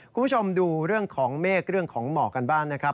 คุณผู้ชมดูเรื่องของเมฆเรื่องของหมอกกันบ้างนะครับ